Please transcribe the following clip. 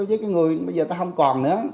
với cái người bây giờ ta không còn nữa